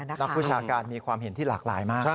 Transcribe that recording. นักวิชาการมีความเห็นที่หลากหลายมาก